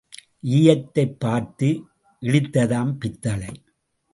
ஈயத்தைப் பார்த்து இளித்ததாம் பித்தளை.